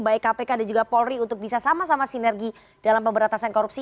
baik kpk dan juga polri untuk bisa sama sama sinergi dalam pemberantasan korupsi